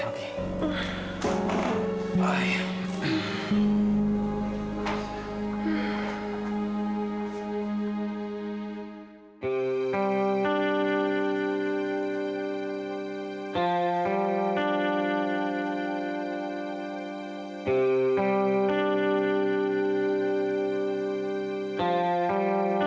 aku akan mencoba